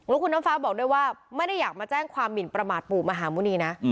แล้วคุณน้ำฟ้าบอกด้วยว่าไม่ได้อยากมาแจ้งความหมินประมาทปู่มหาหมุณีนะ